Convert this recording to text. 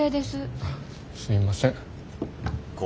すいません。